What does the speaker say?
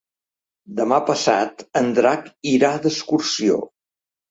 Demà passat en Drac irà d'excursió.